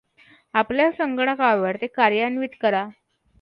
आपल्या संगणकावर ते कार्यान्वित करा.